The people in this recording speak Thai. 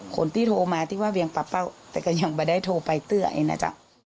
คนที่โทรมาที่ว่าเวียงปะเป้าแต่ก็ยังไม่ได้โทรไปเตื้อไอนะจ๊ะ